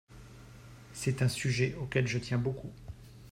C’est un sujet auquel je tiens beaucoup.